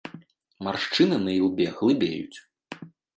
Маршчыны на ілбе глыбеюць.